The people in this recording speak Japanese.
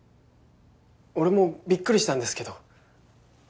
俺もびっくりしたんですけど兄が。